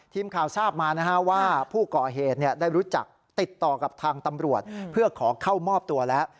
ทีมข่าวทราบมาว่าผู้ก่อเหตุได้รู้จักติดต่อกับทางตำรวจเพื่อขอเข้ามอบตัวแล้ว